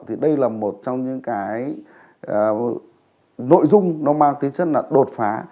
thì đây là một trong những cái nội dung nó mang tính chất là đột phá